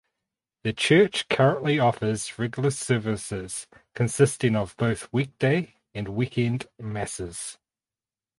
The church currently offers regular services consisting of both weekday and weekend masses.